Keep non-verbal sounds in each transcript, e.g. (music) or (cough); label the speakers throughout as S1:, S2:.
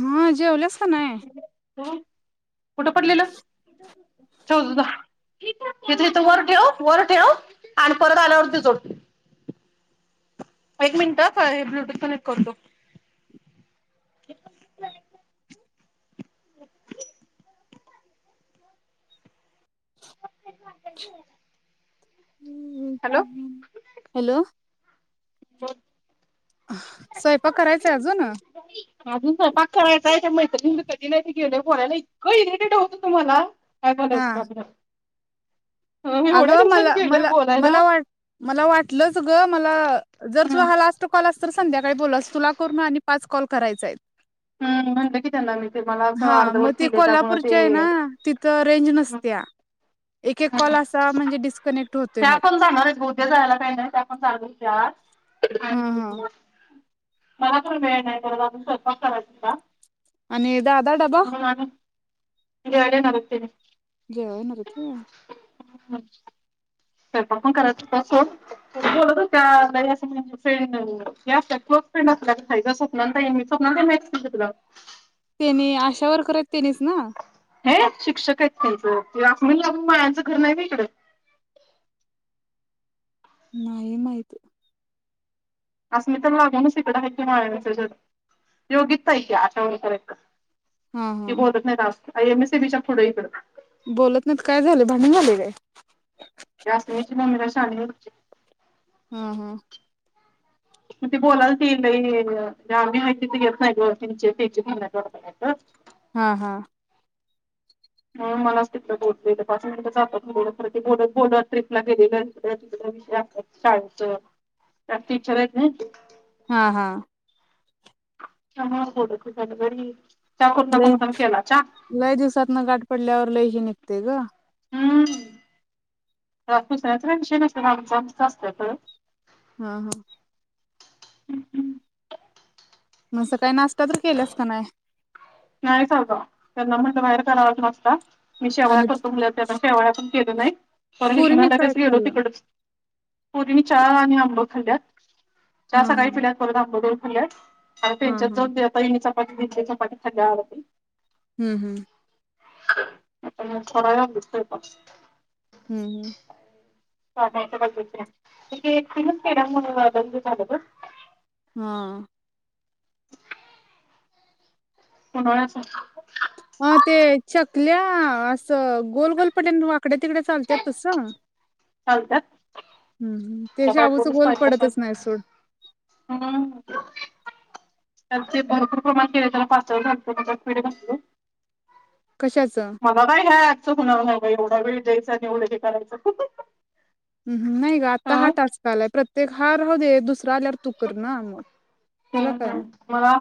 S1: हा जेवल्यास का नाय?
S2: कुठं पडलेलं? ठेव जा जा. हेच हेच वर ठेव, वर ठेव आण परत आल्यावर त जोड. एक मिनिट थ हे ब्लूटूथ कनेक्ट करतो. (unintelligible) (unintelligible) हॅलो.
S1: हॅलो.
S2: (unintelligible)
S1: स्वयंपाक करायचाय अजून?
S2: अजून स्वयंपाक करायचाय. ह्या मैत्रिणीं कधी नाई ते गेलोय बोलायला इतकं इरीटेड होत होतं मला काय
S1: हा
S2: बोलायचं काम नाई.
S1: अगं मला मला
S2: बोलायला
S1: मला वा मला वाटलंच गं मला जर तू
S2: हम्म
S1: हा लास्ट कॉल अस संध्याकाळी बोलास तुला करून आणि पाच कॉल करायचाइत.
S2: हम! म्हणलं की त्यांना मी ते मला असं
S1: हा मग
S2: अर्धवट
S1: ते
S2: किल्या त्यामुळं ते
S1: कोल्हापूरचे आहे ना तिथं रेंज नसत्या एक एक कॉल असा म्हणजे डिस्कनेक्ट होतोय
S2: त्या
S1: मग
S2: पण जाणार आहेत उद्या जायला काही नाही त्या पण चालू होत्या
S1: हा हा
S2: (unintelligible) (unintelligible) मला खरं वेळ नाही मला अजून स्वयंपाक करायचा होता.
S1: आणि दादा डबा
S2: म्हणून आणि जेवायला येणार आहेत तेन्ही.
S1: जेवाय येणार येत
S2: हम. स्वयंपाक पण करायचं होता सोड, पण बोलत होत्या लय अस म्हणजे फ्रेंड हे असत्यात बग क्लोज फ्रेंड असल्यागत तई आणि मी स्वपनाली तई माहिती असल की तुला
S1: त्यानी आशावरकर आहेत तेनीच ना.
S2: हे शिक्षक आहेत त्यांचं यास्मिन लागून मळ्याच घर नय व्हय इकडं.
S1: नाही माहित.
S2: अस्मिता म्हणस इकड (unintelligible)
S1: हा
S2: ते
S1: हा
S2: बोलत नाहीत (unintelligible) आय एम एस ए बीच्या पुढ हिकडं.
S1: बोलत नाहीत काय झालय भांडन झालय काय?
S2: यास्मिन ची मम्मी तर शानी (unintelligible)
S1: हा हा.
S2: मग ते बोलालती लय याम्ही हाय तीथ येत नाही हो हिची आणि तेंचि भांडण हायत वाढत कायतर.
S1: हा हा.
S2: नाही मलाच तिथं बोल पाच मिनिट जात बोलत ते बोलत बोलत ट्रीपला गेलेल हिकडं तिकड विषय असत्यात शाळेच त्यात टीचर हाइत ना.
S1: हा हा.
S2: (unintelligible) गणबडी
S1: लय लय दिवसातन गाठ पडल्यावर लय ह निघत ते ग.
S2: हम्म! त्यात दुसऱ्याचा के विषय नसत्यात आमच आमचंच असत्यात खर
S1: हा हा.
S2: (unintelligible) (inaudible)
S1: मसं काही नाश्ता तर केल्यास का नाय.
S2: नाही खालो त्यांना म्हणलं बाहेर कराव नास्ता. मी शेवाळा
S1: आणि
S2: करतो त्यांना शेवाळ्या पण केलं नाही पर
S1: पुरीनी काय
S2: (unintelligible) गेलो
S1: खाल्लं
S2: तिकडच. पुरीणी च्या आणि आंब खाल्ल्यात. त्या
S1: हा हा
S2: सकाळी पिल्यात परत आंब हॅलो
S1: हा हा
S2: त्यांच्यात (unintelligible) (inaudible) पट दिशी चपात्या. ह (unintelligible) (inaudible)
S1: हम्म हम्म.
S2: (unintelligible) स्वयंपाक.
S1: हम्म हम्म.
S2: (unintelligible) ते एकटींनच केल्या म्हणून बंद झालं ग.
S1: हा.
S2: उन्हाळ्या
S1: अ ते चकल्या असं गोल गोल पट वाकड्या तिकड्या चालत तसं
S2: चालत्यात
S1: हम्म हम्म ते
S2: मोबाईल
S1: शाबूचं
S2: दोनच
S1: गोल
S2: पाहिजे
S1: पडतच नाही सोड
S2: हम् त्यां ते भरपूर प्रमाण केले त्याला (unintelligible)
S1: कशाचं
S2: मला का ह्या आच होणार नाय बाई एवढा वेळ द्यायच ज्यांनी होईल ते करायचं
S1: हम्म हम्म नाही ग आता हा
S2: हं
S1: टास्क आलाय प्रत्येक हा राहूदे दुस आल्यावर तु कर ना मग त्याला
S2: हम्म
S1: काय
S2: हम्म मला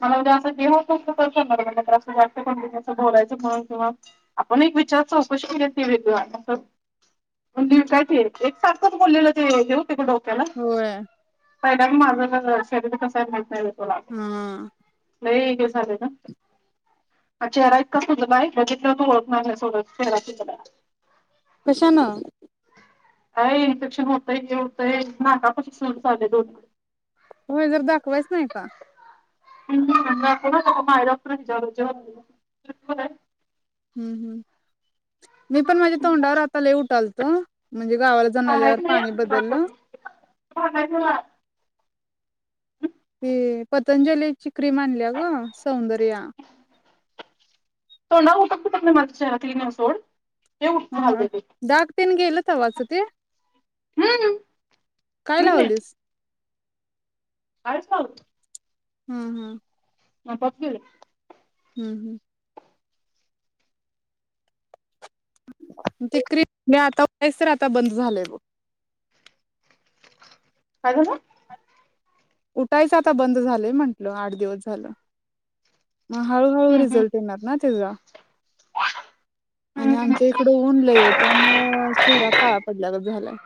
S2: मला उद्या असं (unintelligible) (unintelligible) जास्त पण (unintelligible) बोलायचं म्हणून किंवा आपण एक विचार चौकशी केली ते वेगळ (unintelligible) एक सारखंच बोललेलं ते हे वेगळं ते पण डो त्याला
S1: होय
S2: पहिला आणि माझ (unintelligible) त्याजा तर कसा आहे माहित नाही बाई
S1: हूं
S2: लय हे झाले ना चेहरा इतका सुजलाय माय बघितलं तू ओळखणार नाहीस कोणाचा चेहरा सुजलाय
S1: कशानं
S2: काय इन्फेक्शन होतंय हे होतय नाका पशी सूजू चालले दोन दिवस
S1: होय जरां दाखवायच नाही का
S2: (unintelligible) माळी डॉक्टर ना विचारलं (unintelligible)
S1: हूं हूं मी पण माझ्या तोंडावर आता लय उठाल त म्हणजे गावाला जाऊन आल्यावर
S2: सांगायचं नाही
S1: पाणी बदललं
S2: (unintelligible)
S1: ते पतंजली ची क्रीम आणल्या ग सौंदर्या
S2: तोंडावर उठत बिटत नाय माझा चेहरा क्लीन हाय सोड हे उठ
S1: हा
S2: घालते
S1: डाग तेन गेल तवाच ते
S2: हम्म
S1: काय लावलीस
S2: काहीच लावल (unintelligible)
S1: हूं हूं
S2: आपाप गेलं.
S1: हूं हूं ते क्रीम (unintelligible) आतास (unintelligible) बंद झालंय बघ
S2: काय झालं?
S1: उठायचं आता बंद झालंय म्हंटलं आठ दिवस झालं मग हळूहळू
S2: हम्म हम्म
S1: रिझल्ट येणार ना त्याचा आणि
S2: हम्म
S1: आमच्या इकडं ऊन लई ये त्यामूळ चेहरा काळा पडल्यागत झालाय.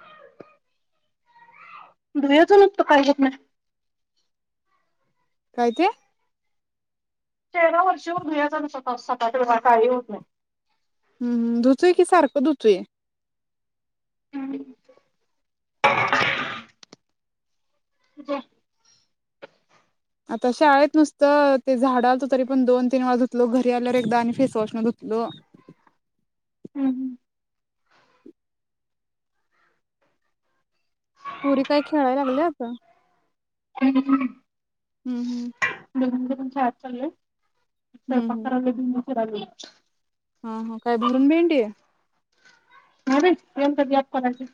S2: धोयाच नसतं पाजेत ना (unintelligible)
S1: काय ते?
S2: तेरा वर्षव धुयाचा ना स्वतः (unintelligible) काही होत नाही.
S1: हम्-हम्, धुतोय की सारखं धुतोय.
S2: अम्म ज
S1: आता शाळेत नुसतं ते झाडाचं तरी पण दोन तीन वेळा धुतलो, घरी आल्यावर एकदा आणि फेसवॉशनं धुतलो.
S2: अम्-हम्
S1: पुरी काय खेळाय लागल्यात.
S2: हम्म-हम्म
S1: हम्-हम्
S2: धरून धरून शाळेत चालले. स्वयंपाक करायला दिउया. (unintelligible)
S1: हां-हां, काय भरून बेंडीय.
S2: नाही बाई, (unintelligible) करायचं.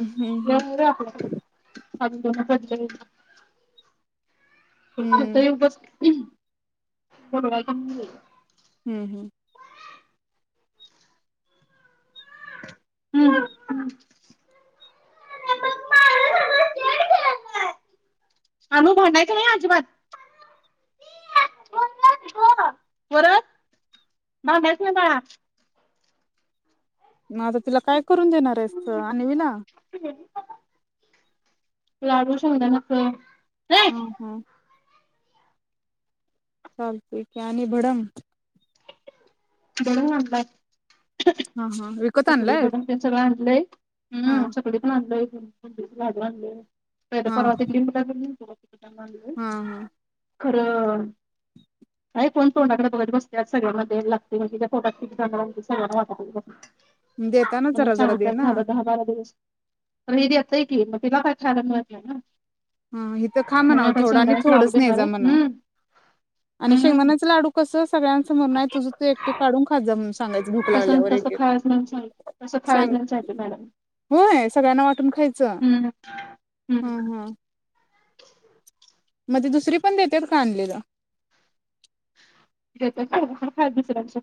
S1: हम्म
S2: ग
S1: हम्म.
S2: र आपल्याकडं. (unintelligible) आता
S1: हम्म
S2: एकदाच (inaudible)
S1: हम्म हम्म.
S2: (unintelligible) अनु भांडायचं नाही अजिबात (unintelligible) परत भांडायचं नाही बाळा.
S1: म आता तिला काय करून देणार आहेस त अनवीला?
S2: लाडू (unintelligible)
S1: हम्म हम्म. चालतंय की आणि भडंग.
S2: भडंग आणलाय.
S1: हा हा विकत
S2: चकली
S1: आणलायस?
S2: भडंग तेन सगळं आणलंय
S1: हा
S2: हम्म. चकली पण आणलंय (unintelligible) लाडू आणलंय. पहिलं
S1: हा
S2: परवा (unintelligible) न्हेलतो बाई.
S1: हा हा
S2: (unintelligible) खरं
S1: (inaudible)
S2: काय कोण तोंडाकडं बघत बसतंय सगळ्यांना द्यायला. तिज्या पोटात किती जाणार (unintelligible)
S1: देताना जरा जरा दे ना.
S2: होय देतोय की, मग तिला काय खायला मिळत नाही ना.
S1: हा हित खा
S2: म्हणून
S1: म्हणावं
S2: आता
S1: थोडं आणि
S2: शेंगदाण्याचे लाडू
S1: थोडंच ने
S2: देणार
S1: जा
S2: आहे
S1: म्हणाव,
S2: हम्म
S1: आणि
S2: हम्म
S1: शेंगदाण्याचं लाडू कसं सगळ्यांन समोर नाय तुझं तु एकटी काढून खात जा म्हणून सांगायचं भूक
S2: तसं
S1: लागल्यावर
S2: तसं
S1: एक एक
S2: खायच म्हणून सांग तसं खायच
S1: सांग.
S2: म्हणून सांगते मॅडम
S1: होय, सगळ्यांना वाटून खायचं
S2: हम्म
S1: ह
S2: हम्म
S1: ह. मग ती दुसरी पण देत्यात का आणलेलं?
S2: (unintelligible) दुसऱ्यांचं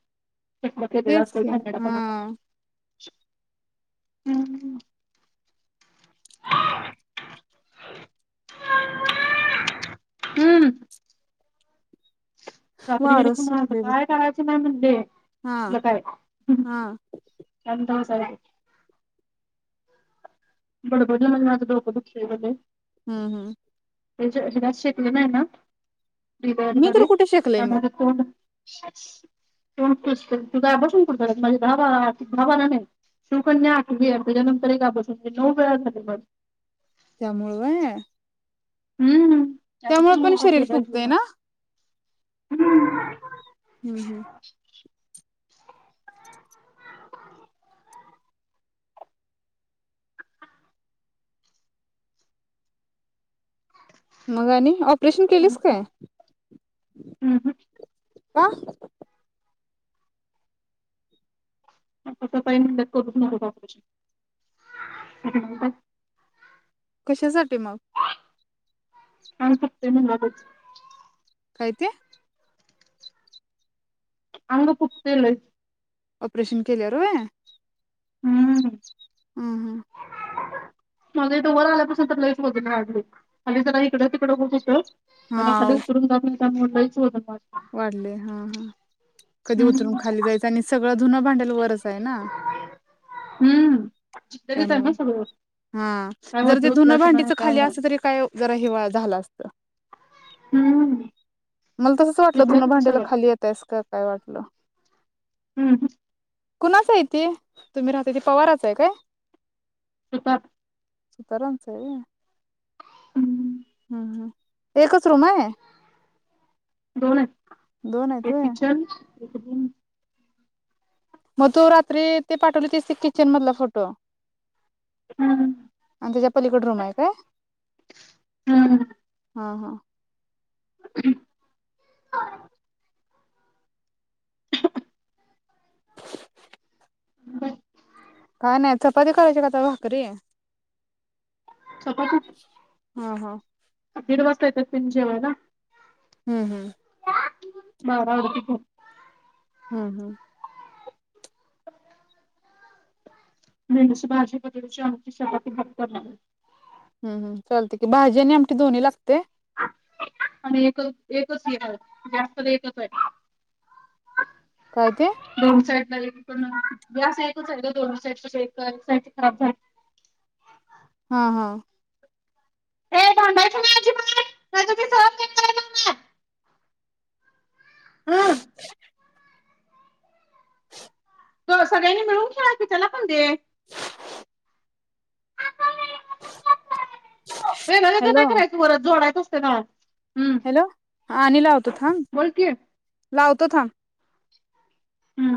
S2: एक मलं
S1: तेच की
S2: असेल ांड पणा
S1: हा
S2: ह हम् रात्री घे
S1: वारच
S2: म्हत
S1: सुटले बघ
S2: काय करायचं नाही म्हणले
S1: हा
S2: असलं काय.
S1: हा
S2: सर बडेे वधया मज आचे लोक दिुखे बले
S1: हम्म हम्
S2: हिरा शेतीन आहे ना. बबड
S1: मी तर
S2: मध्ये
S1: कुठे शिकलय मग
S2: आमझ कोण (unintelligible) तू काय बसून करत माझे भाबा भावा ना नाही शिवकन्या आ घ त्यानंतर का बसून म्हणे खोप वेळा झा म
S1: त्यामुळबा
S2: हम्म.
S1: त्यामुळे पण शरीर फुगतय ना.
S2: हम्म.
S1: हम्म हम्म. मग आणि ऑपरेशन केलेस
S2: अच्छा
S1: काय.
S2: हम्म
S1: का
S2: आताता काही मदत करूच न बापरची
S1: कशासाठी मग
S2: का करत मच
S1: काै ते
S2: अंग फक्तेल.
S1: ऑपरेशन केल्या रय
S2: हम्म
S1: हम् हम्
S2: माझ इथ वर आल्यापासून तर आ जरा इकडं तिकडं होत होत. आता हाडून
S1: हा
S2: तुरून जा आप ई चो
S1: वाढले हा हा कधी उतरून
S2: हम्म
S1: खाली जायच आणि सगळं धुन भांड्याला वरच आहे ना
S2: हम्म चिखल्यारीत आहे
S1: त्यामुळे
S2: ना सगळं
S1: हा
S2: काय
S1: जर
S2: वज
S1: ते ुन
S2: उचलायचं नाही
S1: भांडीच
S2: काय
S1: खाली
S2: नाही
S1: अस तरी काय जरा हिवा झाला असत.
S2: हम्म
S1: मला तसंच वाटलं
S2: विकलंय
S1: धुनं
S2: तिथं
S1: भांड्याला
S2: सगळं
S1: खाली येतयस का. काय वाटलं.
S2: हम्म ह
S1: कुणाचं आहेथे तुम्ही राहताथ पवाराच आहे काय
S2: आता
S1: सुतारांच आहे.
S2: हम्म
S1: हम् हम् एकच रूम आहे.
S2: दोन
S1: दोन आहेत
S2: हे
S1: होय
S2: किचन एक दिन
S1: मग तू रात्री ते पाठवली तिस किचन मधला फोटो
S2: हम्म
S1: आणि त्याच्या पलीकड रूम आहे काय?
S2: हम्म
S1: हा हा.
S2: (unintelligible) बर.
S1: काय नाही चपाती करायची का आता भाकरी?
S2: (unintelligible)
S1: हा हा
S2: दिड वासयतात तीम जेवाला
S1: हम्म हम्म
S2: (inaudible)
S1: हम्म हम्म
S2: म्हेंदुस बाजी बटाटा ची आमटी शेवगा (unintelligible)
S1: हम् हम् चालते की भाजी आणि आमट दोन्ही लागते?
S2: आणि एकच एकच (unintelligible) जास्त तर एकच ये.
S1: काय ते?
S2: पण गॅस एकच आहे गं दोन्ही साईडच (unintelligible) एक साईडच खराब झाले.
S1: हा हा
S2: ऐ भांडायचं नाही अजिबात, न्हाईतर मी सरळ (inaudible) हम्म ग सगळ्यांनी मिळून खेळायचं, त्याला पण दे.
S1: हॅलो
S2: (unintelligible) तणाव
S1: हॅलो हा आणि लावतो थांब.
S2: बोल की. हम्म
S1: लावतो थांब.